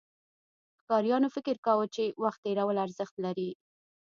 ښکاریانو فکر کاوه، چې وخت تېرول ارزښت لري.